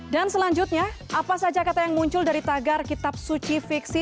selanjutnya apa saja kata yang muncul dari tagar kitab suci fiksi